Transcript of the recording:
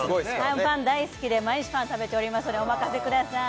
パン大好きで毎日パン食べておりますのでお任せください